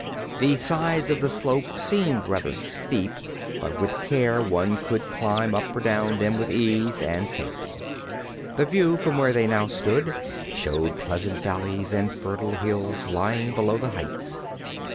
The sides of the slope seemed rather steep, but with care one could climb up or down them with ease and safety. The view from where they now stood showed pleasant valleys and fertile hills lying below the heights.